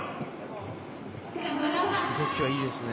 動きはいいですね。